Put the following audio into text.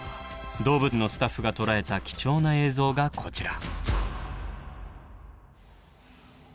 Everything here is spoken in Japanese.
動物園のスタッフが捉えた貴重な映像がこちら。